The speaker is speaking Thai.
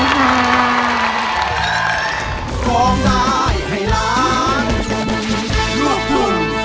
สวัสดีค่ะ